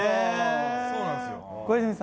「そうなんですよ」